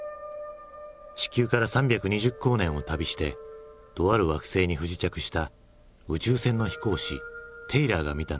地球から３２０光年を旅してとある惑星に不時着した宇宙船の飛行士テイラーが見たのは。